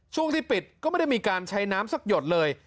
ช่วงที่ปิดก็ไม่ได้มีการใช้น้ำสักหยดเลย